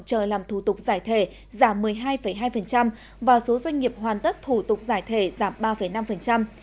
chờ làm thủ tục giải thể giảm một mươi hai hai và số doanh nghiệp hoàn tất thủ tục giải thể giảm ba năm